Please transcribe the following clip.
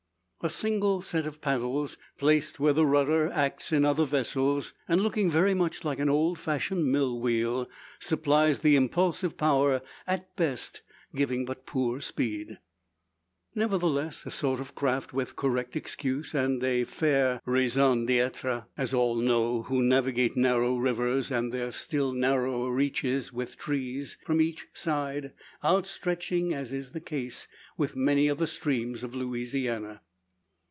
A single set of paddles, placed where the rudder acts in other vessels, and looking very much like an old fashioned mill wheel, supplies the impulsive power at best giving but poor speed. Nevertheless, a sort of craft with correct excuse, and fair raison d'etre; as all know, who navigate narrow rivers, and their still narrower reaches, with trees from each side outstretching, as is the case with many of the streams of Louisiana.